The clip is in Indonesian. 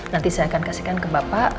nanti saya akan kasihkan ke bapak